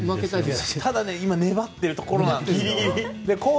ただ、今粘っているところなんです。